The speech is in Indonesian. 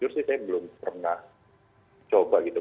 justru saya belum pernah coba gitu